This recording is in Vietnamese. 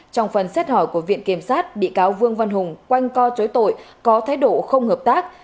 trong phần xét hỏi của viện kiểm sát bị cáo vương văn hùng quanh co chối tội có thái độ không hợp tác